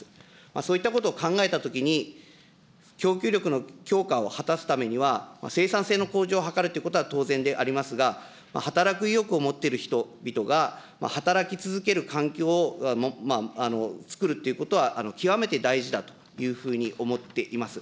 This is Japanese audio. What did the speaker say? そういったことを考えたときに、供給力の強化を果たすためには、生産性の向上を図るということは当然でありますが、働く意欲を持ってる人々が働き続ける環境をつくるっていうことは極めて大事だというふうに思っています。